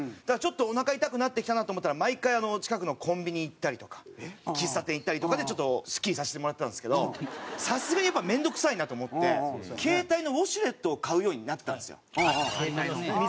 だからちょっとおなか痛くなってきたなと思ったら毎回近くのコンビニ行ったりとか喫茶店行ったりとかでちょっとすっきりさせてもらってたんですけどさすがにやっぱり面倒くさいなと思って携帯のウォシュレットを買うようになったんですよ。ありますね。